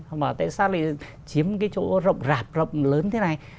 họ bảo tại sao lại chiếm cái chỗ rộng rạp rộng lớn thế này